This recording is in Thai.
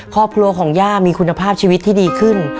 ครอบครัวของย่ามีคุณภาพชีวิตที่ดีขึ้น